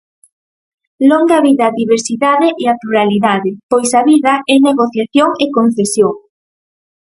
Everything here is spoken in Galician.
Longa vida á diversidade e a pluralidade, pois a vida é negociación e concesión.